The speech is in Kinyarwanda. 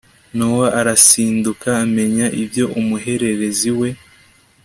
Nowa arasinduka amenya ibyo umuhererezi we